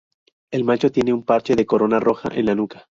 El macho tiene un parche de corona roja en la nuca.